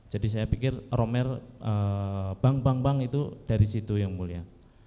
jadi saya pikir romer bang bang bang itu dari situ yang mulia